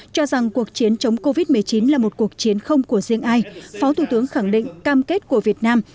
cho rằng cuộc chiến chống covid một mươi chín là một cuộc chiến không của riêng ai phó thủ tướng khẳng định cam kết của việt nam